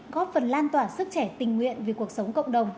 góp phần lan tỏa sức trẻ tình nguyện vì cuộc sống cộng đồng